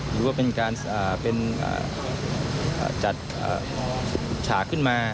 หรือว่าเป็นการเป็นจัดฉากขึ้นมา